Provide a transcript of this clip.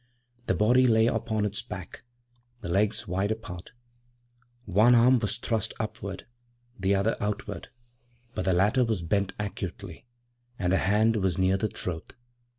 The body lay upon its back, the legs wide apart. One arm was thrust upward, the other outward; but the latter was bent acutely, and the hand was near the throat.